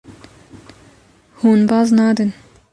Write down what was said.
Hûn baz nadin.